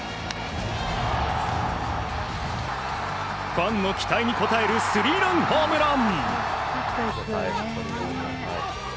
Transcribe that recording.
ファンの期待に応えるスリーランホームラン。